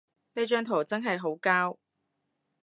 呢張圖真係好膠